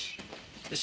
よし！